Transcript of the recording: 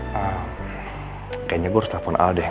kayaknya gue harus telepon al deh